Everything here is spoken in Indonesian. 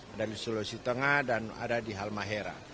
ada di sulawesi tengah dan ada di halmahera